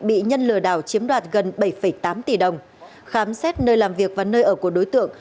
bị nhân lừa đảo chiếm đoạt gần bảy tám tỷ đồng khám xét nơi làm việc và nơi ở của đối tượng